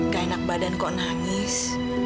gak enak badan kok nangis